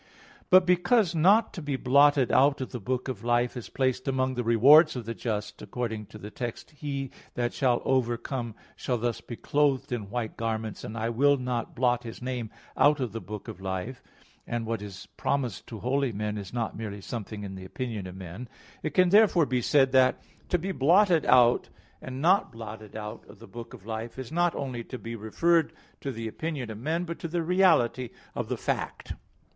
But because not to be blotted out of the book of life is placed among the rewards of the just, according to the text, "He that shall overcome, shall thus be clothed in white garments, and I will not blot his name out of the book of life" (Apoc. 3:5) (and what is promised to holy men, is not merely something in the opinion of men), it can therefore be said that to be blotted out, and not blotted out, of the book of life is not only to be referred to the opinion of man, but to the reality of the fact.